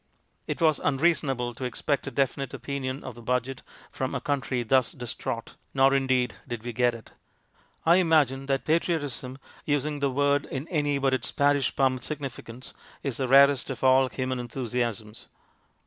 It was unreasonable to ex pect a definite opinion of the Budget from a country thus distraught ; nor, indeed, did we get it. I imagine that patriotism, using the word in any but its parish pump significance^ is the rarest of all human enthusiasms.